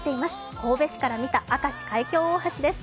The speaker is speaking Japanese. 神戸市から見た明石海峡大橋です。